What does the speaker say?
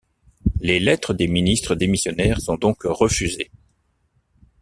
Les lettres des ministres démissionnaires sont donc refusées.